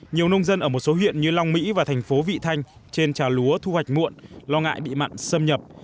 nhiều nông dân ở một số huyện như long mỹ và thành phố vị thanh trên trà lúa thu hoạch muộn lo ngại bị mặn xâm nhập